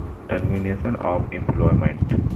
Termination of employment.